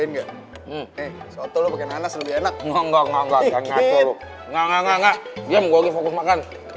enggak enggak enggak enggak enggak